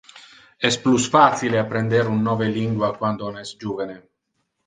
Es plus facile apprender un nove lingua quando on es juvene.